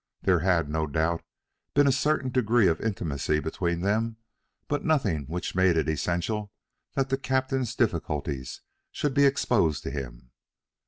There had, no doubt, been a certain degree of intimacy between them, but nothing which made it essential that the captain's difficulties should be exposed to him.